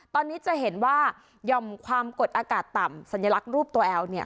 ตอนนี้จะเห็นว่าหย่อมความกดอากาศต่ำสัญลักษณ์รูปตัวแอลเนี่ย